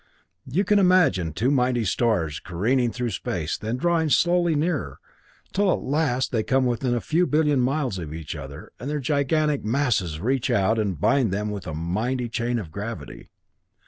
"You can imagine two mighty stars careening through space and then drawing slowly nearer, till at last they come within a few billion miles of each other, and their gigantic masses reach out and bind them with a mighty chain of gravity.